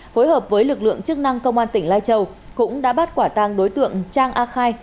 phối hợp với lực lượng chức năng công an tỉnh lai châu cũng đã bắt quả tang đối tượng trang a khai